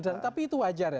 tapi itu wajar ya